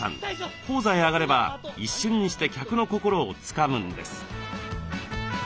高座へ上がれば一瞬にして客の心をつかむんです。